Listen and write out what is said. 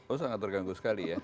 oh sangat terganggu sekali ya